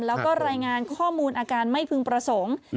แล้วก็รายงานข้อมูลอาการไม่พึงประสงค์